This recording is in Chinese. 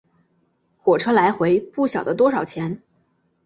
火车来回不晓得多少钱